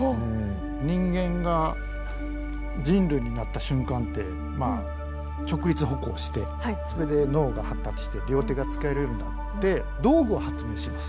人間が人類になった瞬間ってまあ直立歩行してそれで脳が発達して両手が使えるようになって道具を発明します。